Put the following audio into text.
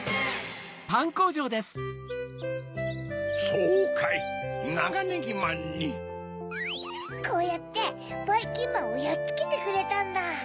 ・そうかいナガネギマンに・こうやってばいきんまんをやっつけてくれたんだ。